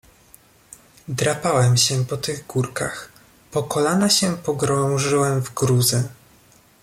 "Drapałem się po tych górkach, po kolana się pogrążyłem w gruzy."